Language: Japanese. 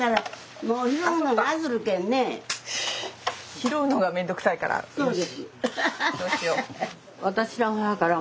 拾うのが面倒くさいからっていう。